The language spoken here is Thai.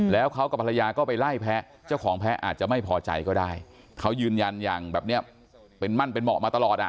แล้วเขากับภรรยาก็ไปไล่แพ้เจ้าของแพ้อาจจะไม่พอใจก็ได้เขายืนยันอย่างแบบเนี้ยเป็นมั่นเป็นเหมาะมาตลอดอ่ะ